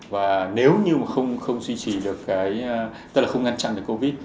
và nếu như không suy trì được cái tức là không ngăn chặn được covid